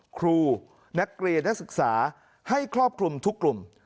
ครูนักเรียนนักศึกษาให้ครอบคลุมทุกกลุ่ม